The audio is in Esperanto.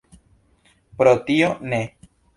Pro tio ne.